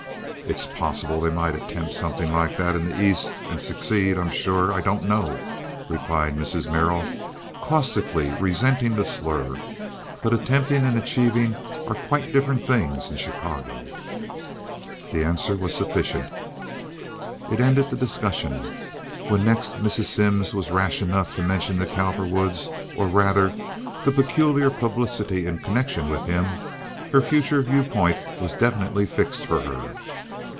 "It's possible that they might attempt something like that in the East and succeed—I'm sure I don't know," replied Mrs. Merrill, caustically, resenting the slur, "but attempting and achieving are quite different things in Chicago." The answer was sufficient. It ended the discussion. When next Mrs. Simms was rash enough to mention the Cowperwoods, or, rather, the peculiar publicity in connection with him, her future viewpoint was definitely fixed for her.